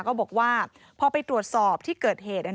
ก็บอกว่าพอไปตรวจสอบที่เกิดเหตุ